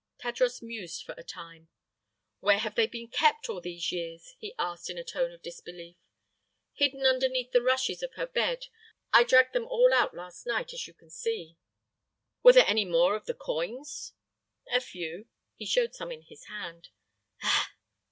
Tadros mused for a time. "Where have they been kept all these years?" he asked in a tone of disbelief. "Hidden underneath the rushes of her bed. I dragged them all out last night, as you can see." "Were there any more of the coins?" "A few." He showed some in his hand.